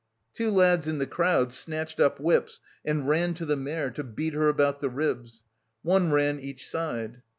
Two lads in the crowd snatched up whips and ran to the mare to beat her about the ribs. One ran each side.